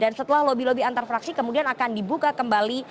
setelah lobby lobby antar fraksi kemudian akan dibuka kembali